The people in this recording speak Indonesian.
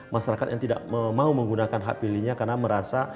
masyarakat yang tidak mau menggunakan hak pilihnya karena merasa